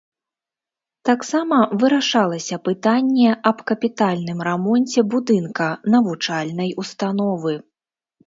Таксама вырашалася пытанне аб капітальным рамонце будынка навучальнай установы.